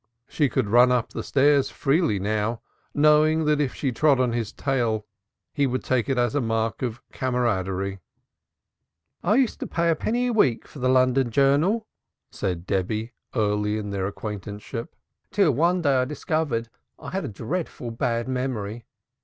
And she could run up the stairs freely, knowing that if she trod on his tail now, he would take it as a mark of camaraderie. "I used to pay a penny a week for the London Journal," said Debby early in their acquaintanceship, "till one day I discovered I had a dreadful bad memory."